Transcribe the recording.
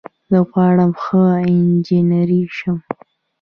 زه غواړم ښه انجنیر شم.